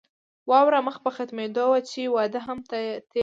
واوره مخ په ختمېدو وه چې واده هم تيار شو.